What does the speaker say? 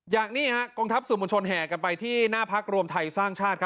อย่างนี้กองทัพสื่อมวลชนแห่กันไปที่หน้าพักรวมไทยสร้างชาติ